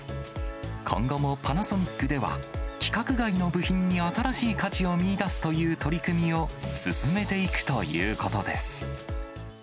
今後もパナソニックでは、規格外の部品に新しい価値を見いだすという取り組みを進めていくということです。